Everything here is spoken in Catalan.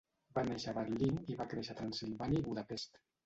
Va néixer a Berlín i va créixer a Transsilvània i Budapest.